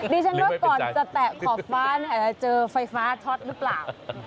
นี่ฉันรู้ก่อนจะแตะขอบฟ้าจะเจอไฟฟ้าทอดหรือเปล่า